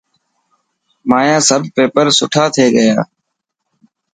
مانيا سڀ پيپر سٺا ٿي گيا.